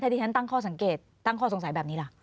ที่ฉันตั้งข้อสังเกตตั้งข้อสงสัยแบบนี้ล่ะ